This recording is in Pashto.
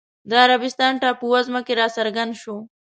د عربستان ټاپووزمه کې راڅرګند شو